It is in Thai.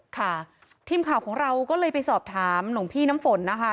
ค่ะทีมข่าวของเราก็เลยไปสอบถามหลวงพี่น้ำฝนนะคะ